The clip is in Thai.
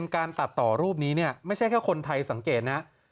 การตัดต่อรูปนี้เนี่ยไม่ใช่แค่คนไทยสังเกตนะ